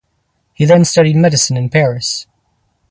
He then studied medicine in Paris.